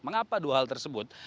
mengapa dua hal tersebut